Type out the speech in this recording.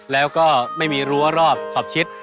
แล้วก็ไม่มีรั้วรอบขอบชิด